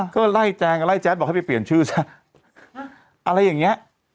ก็ไล่แจงไล่แจ๊ดบอกให้ไปเปลี่ยนชื่อซะอะไรอย่างเงี้ย